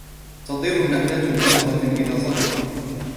تطير النحلات من زهرة إلى زهرة.